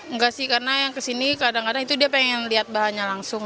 enggak sih karena yang kesini kadang kadang itu dia pengen lihat bahannya langsung